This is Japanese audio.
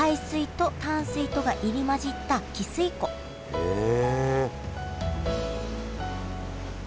へえ！